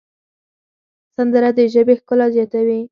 سندره د ژبې ښکلا زیاتوي